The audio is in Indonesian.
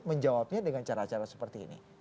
menjawabnya dengan cara cara seperti ini